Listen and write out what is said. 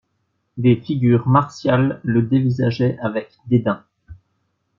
Des figures martiales le dévisageaient avec dédain.